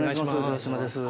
城島です